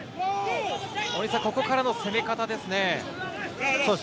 ここからの攻め方ですね。